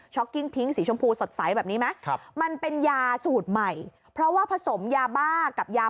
กิ้งพิ้งสีชมพูสดใสแบบนี้ไหมมันเป็นยาสูตรใหม่เพราะว่าผสมยาบ้ากับยา